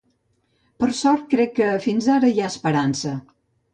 Per sort crec que fins ara hi ha esperança.